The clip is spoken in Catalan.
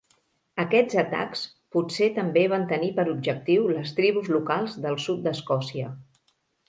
Aquests atacs potser també van tenir per objectiu les tribus locals del sud d'Escòcia.